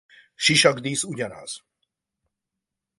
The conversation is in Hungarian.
Sisakdísz ugyanaz.